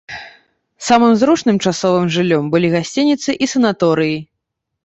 Самым зручным часовым жыллём былі гасцініцы і санаторыі.